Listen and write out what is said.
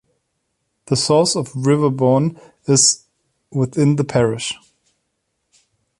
The source of the River Bourne is within the parish.